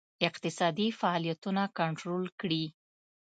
اقتصادي فعالیتونه کنټرول کړي.